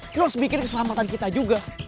lo harus mikir keselamatan kita juga